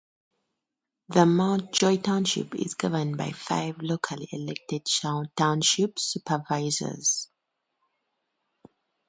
The Mount Joy Township is governed by five, locally elected, Township Supervisors.